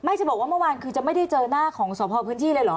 จะบอกว่าเมื่อวานคือจะไม่ได้เจอหน้าของสพพื้นที่เลยเหรอ